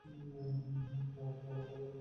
পালন করা না করা তাঁর ব্যাপার।